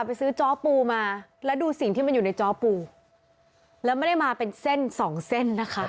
ไปซื้อจ้อปูมาแล้วดูสิ่งที่มันอยู่ในจ้อปูแล้วไม่ได้มาเป็นเส้นสองเส้นนะคะ